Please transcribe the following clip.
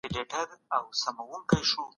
ولسي جرګه د ملي بوديجې تصويب کوي.